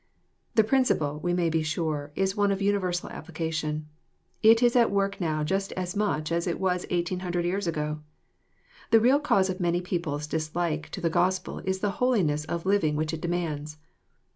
The principle, we may be sure, is one of universal ap plication. It is at work now just as much as it was eighteen hundred years ago. (The real cause of many people's dislike to the Gospel is the holiness of living which it demands.